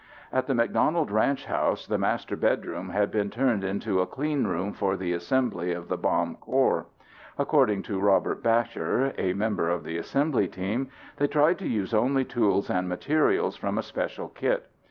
At the McDonald ranch house the master bedroom had been turned into a clean room for the assembly of the bomb core. According to Robert Bacher, a member of the assembly team, they tried to use only tools and materials from a special kit.